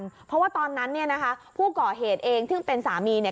เพราะว่าตอนนั้นผู้ก่อเหตุเองซึ่งเป็นสามี